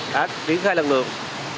đã triển khai lực lượng